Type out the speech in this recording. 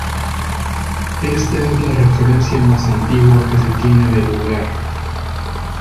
Ésta es la referencia más antigua que se tiene del lugar.